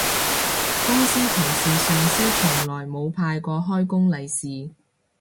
公司同事上司從來冇派過開工利是